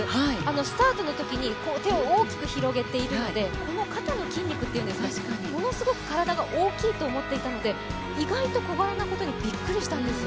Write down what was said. スタートのとき、手を大きく広げているのでこの肩の筋肉がものすごく体が大きいと思っていたので意外と小柄なことにびっくりしたんですよ。